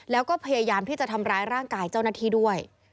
แล้วก็พยายามที่จะทำร้ายร่างกายเจ้าหน้าที่ด้วย